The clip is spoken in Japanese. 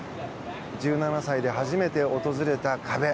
１７歳で初めて訪れた壁。